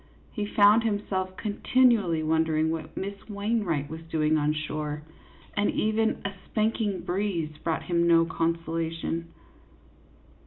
He found himself continually wondering what Miss Wain wright was doing on shore ; and even a spanking breeze brought him no consolation.